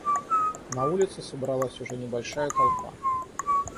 На улице собралась уже небольшая толпа.